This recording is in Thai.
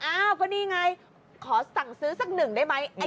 อ้าวก็นี่ไงขอสั่งซื้อสักหนึ่งได้ไหม